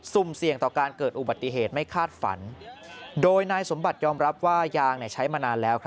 เสี่ยงต่อการเกิดอุบัติเหตุไม่คาดฝันโดยนายสมบัติยอมรับว่ายางใช้มานานแล้ว